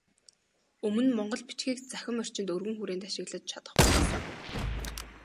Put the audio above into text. Өмнө монгол бичгийг цахим орчинд өргөн хүрээнд ашиглаж чадахгүй байсан.